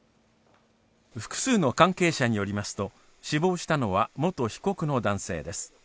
複数の関係者によりますと死亡したのは元被告の男性です。